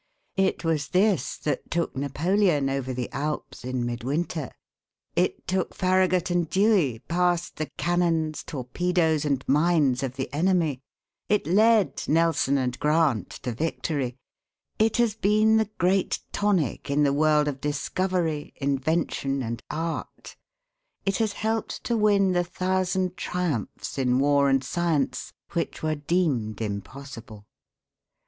It was this that took Napoleon over the Alps in midwinter; it took Farragut and Dewey past the cannons, torpedoes, and mines of the enemy; it led Nelson and Grant to victory; it has been the great tonic in the world of discovery, invention, and art; it has helped to win the thousand triumphs in war and science which were deemed impossible.